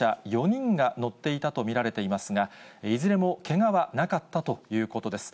４人が乗っていたと見られていますが、いずれもけがはなかったということです。